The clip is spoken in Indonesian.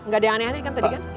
gak ada yang aneh aneh kan tadi kan